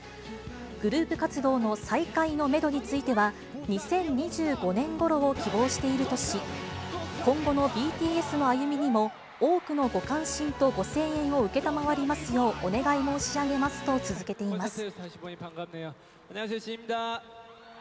グループ活動の再開のメドについては、２０２５年ごろを希望しているとし、今後のＢＴＳの歩みにも、多くのご関心とご声援を承りますよう、お願い申し上げますと続けています。